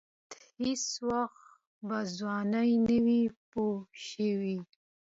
شاید هېڅ وخت به ځوان نه وي پوه شوې!.